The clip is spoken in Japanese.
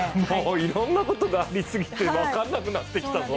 いろんなことがありすぎて分かんなくなってきたぞ。